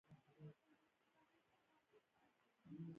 دوی د لږ تر لږه څخه لږ څه نه مني